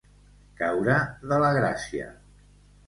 Caure de la gràcia.